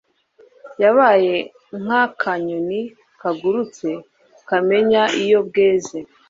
yabaye nk'akanyoni kagurutse kakamenya iyo bweze